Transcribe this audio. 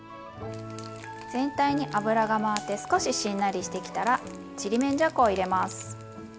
全体に油が回って少ししんなりしてきたらちりめんじゃこを入れます。